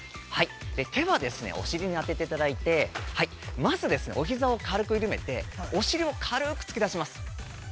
手はお尻に当てていただいて、まず、おひざを軽く緩めて、お尻を軽く突き出します。